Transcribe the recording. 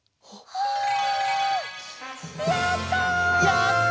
やった！